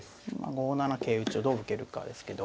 ５七桂打ちをどう受けるかですけど。